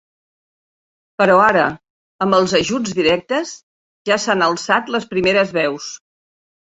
Però ara, amb els ajuts directes, ja s’han alçat les primeres veus.